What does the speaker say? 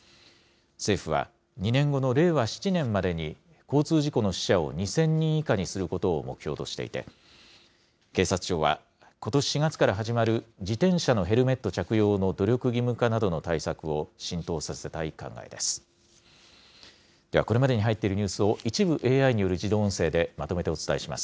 政府は、２年後の令和７年までに、交通事故の死者を２０００人以下にすることを目標としていて、警察庁はことし４月から始まる自転車のヘルメット着用の努力義務化などの対策を浸透させたい考えです。